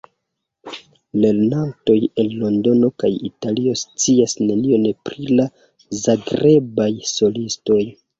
Lernantoj el Londono kaj Italio scias nenion pri la Zagrebaj solistoj.